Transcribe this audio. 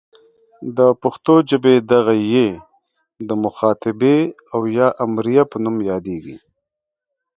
د پښتو ژبې دغه ئ د مخاطبې او یا امریه په نوم یادیږي.